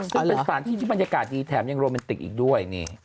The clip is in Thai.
แถมสารที่บรรยากาศดีแถมยังโรแมนติกอีกด้วยนี่